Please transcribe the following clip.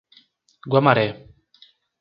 Guamaré